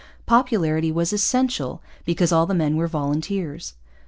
Popularity was essential, because all the men were volunteers.